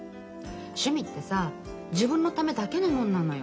趣味ってさ自分のためだけのもんなのよ。